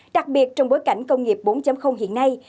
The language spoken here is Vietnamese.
đặc biệt trong bối cảnh công nghiệp bốn hiện nay